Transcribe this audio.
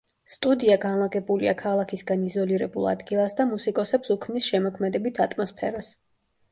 სტუდია განლაგებულია ქალაქისგან იზოლირებულ ადგილას და მუსიკოსებს უქმნის შემოქმედებით ატმოსფეროს.